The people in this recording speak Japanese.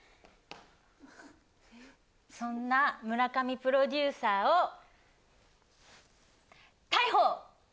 そんな村上プロデューサーを逮捕！